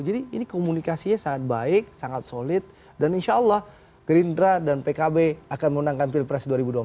jadi ini komunikasinya sangat baik sangat solid dan insya allah gerindra dan pkb akan menundangkan pilpres dua ribu dua puluh empat